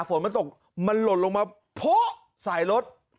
ฝนมันตกมันหล่นลงมาโพะใส่รถ